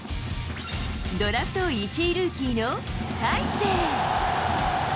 ドラフト１位ルーキーの大勢。